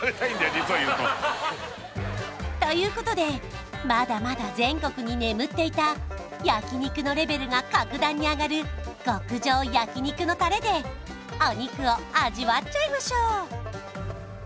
実を言うとということでまだまだ全国に眠っていた焼肉のレベルが格段に上がる極上焼肉のタレでお肉を味わっちゃいましょう！